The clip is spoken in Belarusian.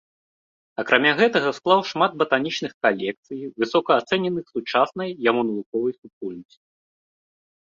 Акрамя гэтага склаў шмат батанічных калекцый, высока ацэненых сучаснай яму навуковай супольнасцю.